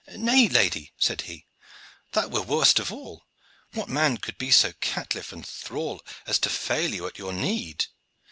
"Nay, lady," said he, "that were worst of all. What man would be so caitiff and thrall as to fail you at your need?